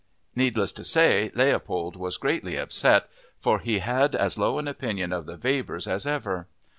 Needless to say, Leopold was greatly upset, for he had as low an opinion of the Webers as ever.